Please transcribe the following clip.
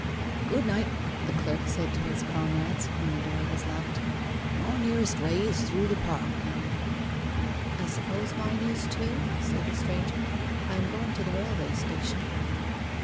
'Good night,' the clerk said to his comrades, when the door was locked. 'My nearest way is through the park.' 'I suppose mine is too?' said the stranger. 'I am going to the railway station.